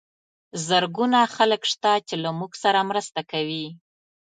زرګونه خلک شته چې له موږ سره مرسته کوي.